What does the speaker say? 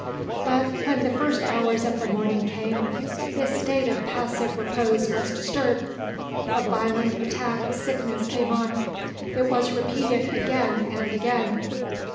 But, when the first hours of the morning came, this state of passive repose was disturbed. A violent attack of sickness came on. It was repeated again and again.